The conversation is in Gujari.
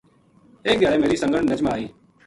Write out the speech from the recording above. ایک دھیاڑے میری سنگن نجمہ آئی